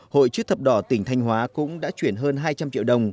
hội chức thập đỏ tỉnh thanh hóa cũng đã chuyển hơn hai trăm linh triệu đồng